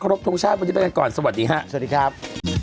ครบทุกชาติวันนี้ไปกันก่อนสวัสดีครับ